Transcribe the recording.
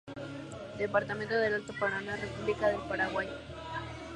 Departamento del Alto Paraná, República del Paraguay.